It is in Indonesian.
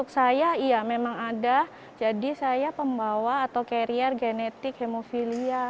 saya iya memang ada jadi saya pembawa atau karier genetik hemofilia